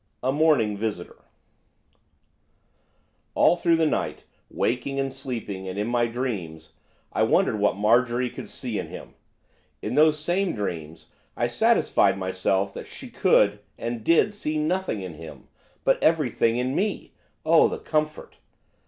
A MORNING VISITOR All through the night, waking and sleeping, and in my dreams, I wondered what Marjorie could see in him! In those same dreams I satisfied myself that she could, and did, see nothing in him, but everything in me, oh the comfort!